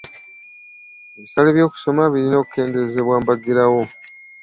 Ebisale by'okusoma birina okukendeezebwa mbagirawo.